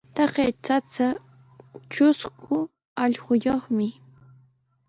Taqay chacha trusku allquyuqmi.